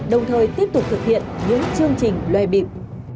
đồng thời tiếp tục thực hiện những chương trình loay bịp